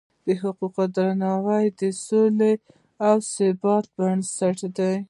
د حقونو درناوی د سولې او ثبات بنسټ دی.